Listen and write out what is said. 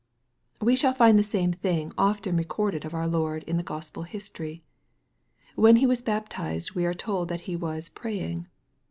We shall find the same thing often recorded of our Lord in the Gospel history. When He was baptized, we are told that He was " praying."